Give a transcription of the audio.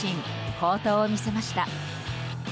好投を見せました。